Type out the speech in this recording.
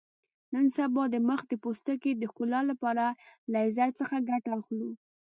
نن سبا د مخ د پوستکي د ښکلا لپاره له لیزر څخه ګټه اخلو.